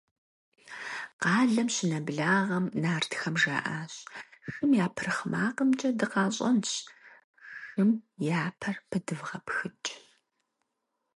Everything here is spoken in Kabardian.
Къалэм щынэблагъэм, нартхэм жаӏащ: – Шым я пырхъ макъымкӏэ дыкъащӏэнщ, шым я пэр пыдвгъэпхыкӏ.